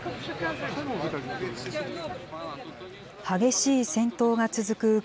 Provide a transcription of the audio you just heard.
激しい戦闘が続く